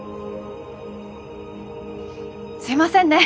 すいませんね！